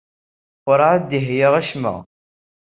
Werɛad d-iheyya acemma.